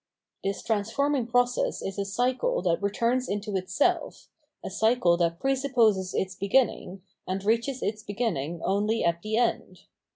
This transforming process is a cycle that returns into itself, a cycle that presupposes its beginning, and reaches its beginning only at the end.